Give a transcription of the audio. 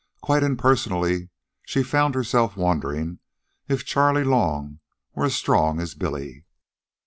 Quite impersonally, she found herself wondering if Charley Long were as strong as Billy.